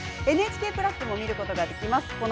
ＮＨＫプラスでも見ることができます。